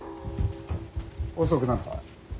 遅くなった。